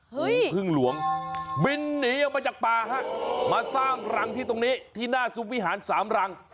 พึ่งหลวงบินหนีออกมาจากป่าฮะมาสร้างรังที่ตรงนี้ที่หน้าซุปวิหารสามรัง